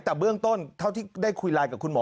แต่เบื้องต้นเท่าที่ได้คุยไลน์กับคุณหมอ